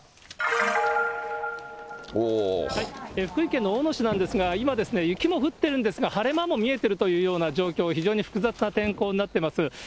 福井県の大野市なんですけど、今ですね、雪も降ってるんですが、晴れ間も見えてるというような状況、非常に複雑な天候になってます。